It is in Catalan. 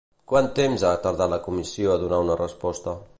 Quant temps ha tardat la Comissió a donar una resposta?